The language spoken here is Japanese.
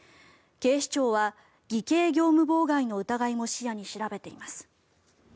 警視庁は偽計業務妨害の疑いも視野に調べています。